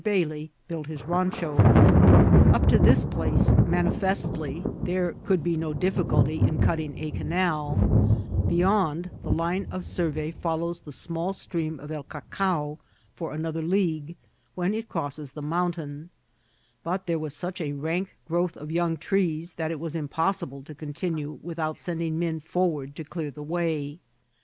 Bailey built his randio. Up to this place manifestly there could be no difficulty in cutting a caiULl ; beyond, the line of mirvey follows the small stream of El Cacao for another league, when it crosses the mountain; but there vras such a rank growth of young trees that it was impossible to continue without sending men forward to clear the way.